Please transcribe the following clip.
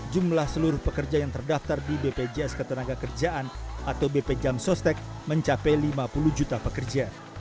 jumlah seluruh pekerja yang terdaftar di bpjs ketenagakerjaan atau bp jam sostek mencapai lima puluh juta pekerja